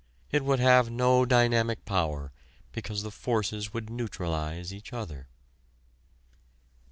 It would have no dynamic power because the forces would neutralize each other.